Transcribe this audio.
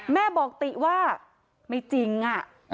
แม่บอกติว่าไม่จริงอะ